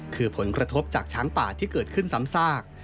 คือผลกระทบจากช้างป่าที่เกิดขึ้นซ้ำซาก